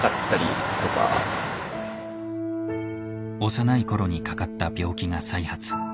幼いころにかかった病気が再発。